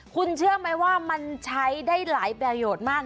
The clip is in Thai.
คุณเชื่อไหมว่ามันใช้ได้หลายประโยชน์มาก